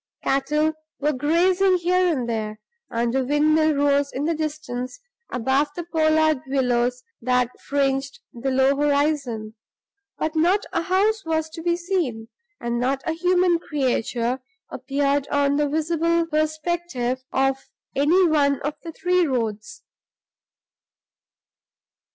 Cattle were grazing here and there, and a windmill rose in the distance above the pollard willows that fringed the low horizon. But not a house was to be seen, and not a human creature appeared on the visible perspective of any one of the three roads.